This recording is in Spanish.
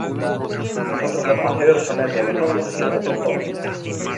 Los otros dos paseos son el de los Olmos y el de Pontones.